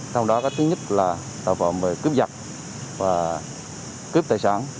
trong đó thứ nhất là tội phạm cướp giật cướp tài sản